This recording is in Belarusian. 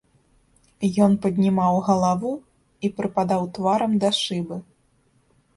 Ён паднімаў галаву і прыпадаў тварам да шыбы.